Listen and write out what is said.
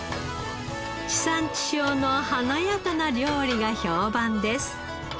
地産地消の華やかな料理が評判です。